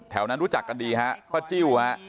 นั้นรู้จักกันดีฮะป้าจิ้วฮะ